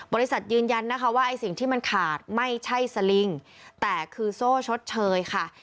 บริษัทยืนยันว่าสิ่งที่มันขาดไม่ใช่สลิงแต่คือโซ่ชดเชยค่ะ